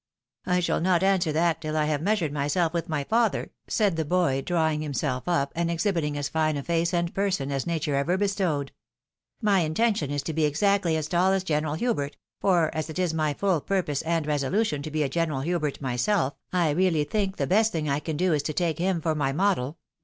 " I shall not answer that till I have measured myself with my father," said the boy, drawing himself up, and exhibiting as fine a face and person as nature ever bestowed. " My intention is to be exactly as tall as General Hubert ; for, as it is my fuU purpose and resolution to be a General Hubert myself, I really think the best thing I can do is to take him for my model.